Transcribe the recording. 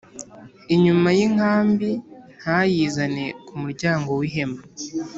Inyuma y inkambi ntayizane ku muryango w ihema